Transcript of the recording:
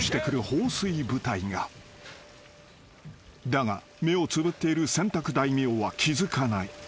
［だが目をつぶっている洗濯大名は気付かない］